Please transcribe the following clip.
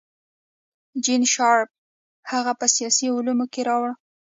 جین شارپ هغه په سیاسي علومو کې راوړه.